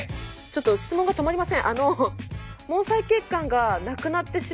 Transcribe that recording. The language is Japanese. ちょっと質問が止まりません。